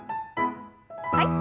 はい。